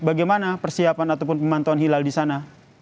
bagaimana persiapan ataupun pemantauan hilal di sana